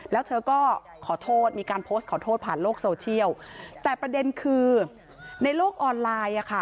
แล้วเธอก็ขอโทษมีการโพสต์ขอโทษผ่านโลกโซเชียลแต่ประเด็นคือในโลกออนไลน์อ่ะค่ะ